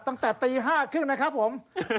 ตั้งแต่ตีห้าครึ่งนะครับผม